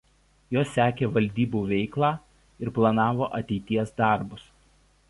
Jos sekė valdybų veiklą ir planavo ateities darbus.